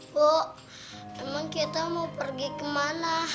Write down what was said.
bu emang kita mau pergi kemana